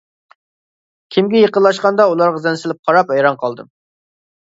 كېمىگە يېقىنلاشقاندا ئۇلارغا زەن سېلىپ قاراپ ھەيران قالدىم.